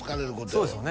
そうですよね